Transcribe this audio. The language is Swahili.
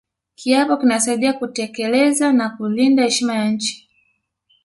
kiapo kinasaidia kutekeleza na kulinda heshima ya nchi